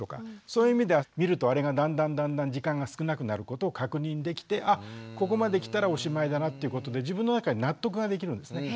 そういう意味では見るとあれがだんだんだんだん時間が少なくなることを確認できてあっここまできたらおしまいだなっていうことで自分の中に納得ができるんですね。